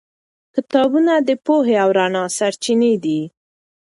کتابونه د پوهې او رڼا سرچینې دي.